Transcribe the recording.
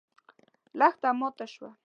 لښته ماته شوه.